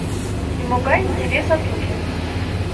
— Нимогай интересат уке.